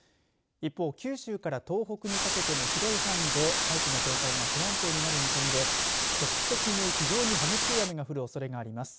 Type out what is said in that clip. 一方、九州から東北にかけての広い範囲で大気の状態が不安定になる見込みで局地的に非常に激しい雨が降るおそれがあります。